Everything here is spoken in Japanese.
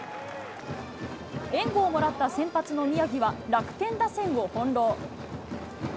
援護をもらった先発の宮城は、楽天打線を翻弄。